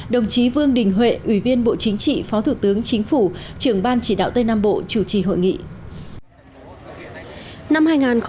đồng chí vương đình huệ ủy viên bộ chính trị phó thủ tướng chính phủ trưởng ban chỉ đạo tây nam bộ chủ trì hội nghị